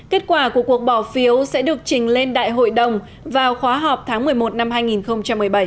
kết quả của cuộc bỏ phiếu sẽ được trình lên đại hội đồng vào khóa học tháng một mươi một năm hai nghìn một mươi bảy